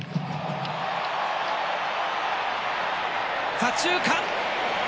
左中間！